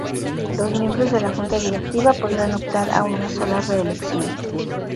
Los miembros de la Junta Directiva podrán optar a una sola reelección.